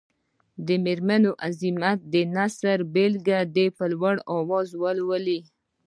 د مېرمن عظمت د نثر بېلګه دې په لوړ غږ ولولي.